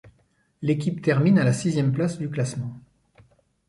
L'équipe termine à la sixième place du classement.